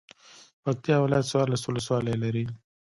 پکتيا ولايت څوارلس ولسوالۍ لري.